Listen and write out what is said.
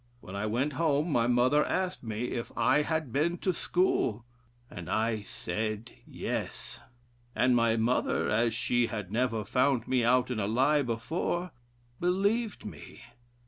When I went home my mother asked me if I had been to school, and I said yes, and my mother, as she had never found me out in a lie before, believed me.